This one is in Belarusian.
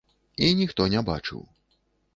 І ніхто не бачыў.